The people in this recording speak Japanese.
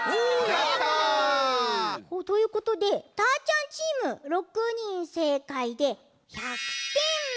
やった！ということでたーちゃんチーム６にんせいかいで１００点！